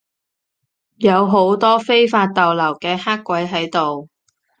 有好多非法逗留嘅黑鬼喺度